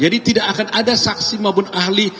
jadi tidak akan ada saksi maupun ahli